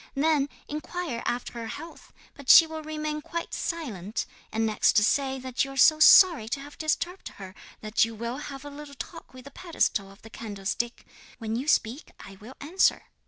Then inquire after her health, but she will remain quite silent; and next say that you are sorry to have disturbed her, and that you will have a little talk with the pedestal of the candlestick. When you speak I will answer.'